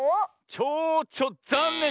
チョウチョざんねん！